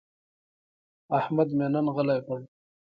احمد مې نن غلی کړ.